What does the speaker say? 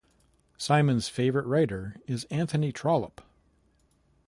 Simon's favourite writer is Anthony Trollope.